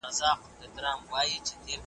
له ناکامه د خپل کور پر لور روان سو .